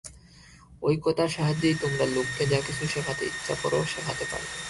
ঐ কথার সাহায্যেই তোমরা লোককে যা কিছু শেখাতে ইচ্ছা কর, শেখাতে পারবে।